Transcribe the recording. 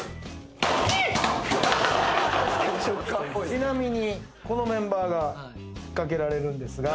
「ちなみにこのメンバーがかけられるんですが」